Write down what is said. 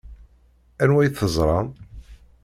Anwa i teẓṛam?